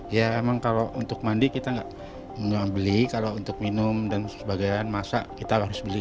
ya memang kalau untuk mandi kita tidak membeli kalau untuk minum dan sebagainya kita harus beli